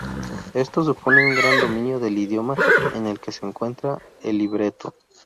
Esto supone un gran dominio del idioma en el que se encuentra el libreto.